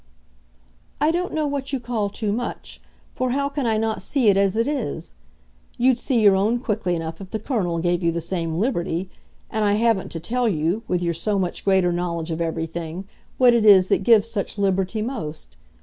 "I don't know what you call too much for how can I not see it as it is? You'd see your own quickly enough if the Colonel gave you the same liberty and I haven't to tell you, with your so much greater knowledge of everything, what it is that gives such liberty most.